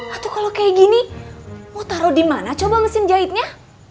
atau kalau kayak gini mau taruh di mana coba mesin jahitnya